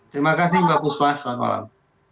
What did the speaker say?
terima kasih mbak puspa selamat malam